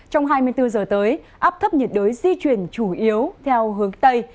trong hai mươi bốn giờ tới áp thấp nhiệt đới di chuyển chủ yếu theo hướng tây